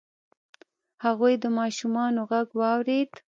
هغوی د ماشومانو غږ واورید.